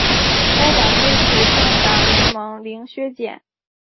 该党支持政党联盟零削减。